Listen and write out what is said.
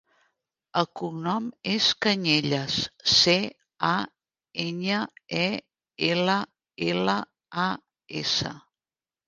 El cognom és Cañellas: ce, a, enya, e, ela, ela, a, essa.